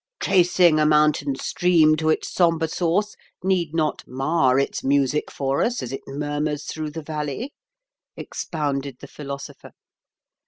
] "Tracing a mountain stream to its sombre source need not mar its music for us as it murmurs through the valley," expounded the Philosopher.